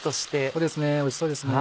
そうですねおいしそうですね。